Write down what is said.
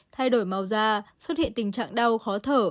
thay đổi màu da xuất hiện tình trạng đau khó thở